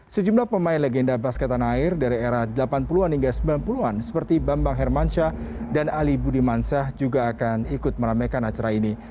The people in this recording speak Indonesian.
sejumlah pemain legenda basket tanah air dari era delapan puluh an hingga sembilan puluh an seperti bambang hermansyah dan ali budimansyah juga akan ikut meramaikan acara ini